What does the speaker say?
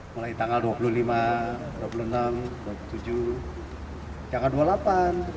mulai tanggal dua puluh lima dua puluh enam dua puluh tujuh jangan dua puluh delapan